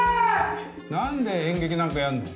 何で演劇なんかやんの？